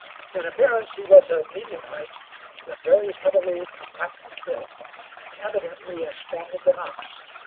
In appearance he was of medium height, but very heavily, compactly built, and evidently as strong as an ox.